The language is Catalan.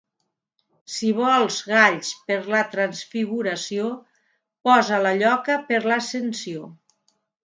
Si vols galls per la Transfiguració, posa la lloca per l'Ascensió.